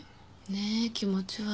ねえ気持ち悪。